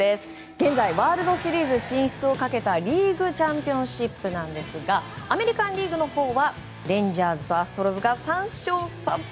現在、ワールドシリーズ進出をかけたリーグチャンピオンシップアメリカン・リーグのほうはレンジャーズとアストロズが３勝３敗。